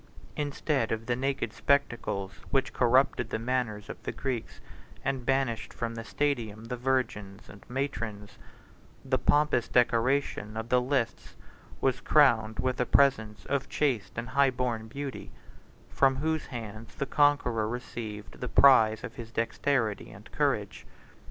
57 Instead of the naked spectacles which corrupted the manners of the Greeks, and banished from the stadium the virgins and matrons, the pompous decoration of the lists was crowned with the presence of chaste and high born beauty, from whose hands the conqueror received the prize of his dexterity and courage.